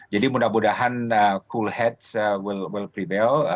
jadi mudah mudahan cool heads will prevail